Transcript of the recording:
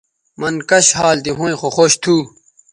مَن کش حال تھی ھویں خو خوش تھو